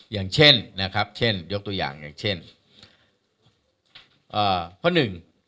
ยกตัวอย่างอย่างเช่น